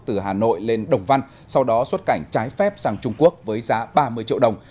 từ hà nội lên đồng văn sau đó xuất cảnh trái phép sang trung quốc với giá ba mươi triệu đồng